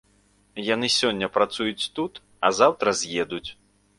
Яны сёння працуюць тут, а заўтра з'едуць.